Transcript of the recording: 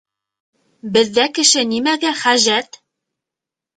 — Беҙҙә кеше нимәгә хәжәт?